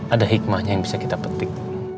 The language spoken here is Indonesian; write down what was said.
ada hikmahnya yang bisa kita petik